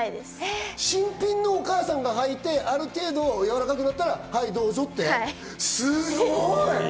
新品のをお母さんが履いてやわらかくなったらはいどうぞってすごい。